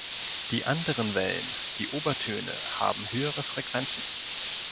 Die anderen Wellen, die Obertöne, haben höhere Frequenzen.